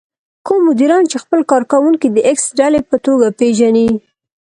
کوم مديران چې خپل کار کوونکي د ايکس ډلې په توګه پېژني.